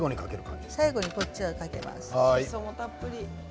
しそもたっぷり。